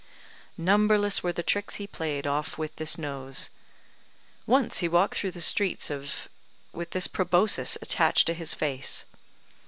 Numberless were the tricks he played off with this nose. Once he walked through the streets of , with this proboscis attached to his face.